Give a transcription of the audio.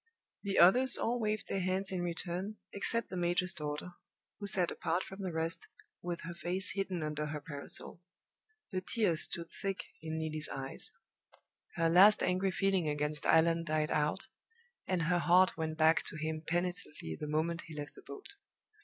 The others all waved their hands in return except the major's daughter, who sat apart from the rest, with her face hidden under her parasol. The tears stood thick in Neelie's eyes. Her last angry feeling against Allan died out, and her heart went back to him penitently the moment he left the boat.